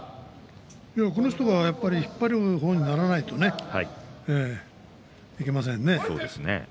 この人は引っ張る方にならないといけませんね。